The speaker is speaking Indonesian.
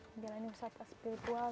menjalani wisata spiritual